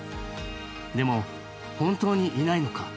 でも本当にいないのか？